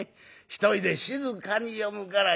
一人で静かに読むからいい」。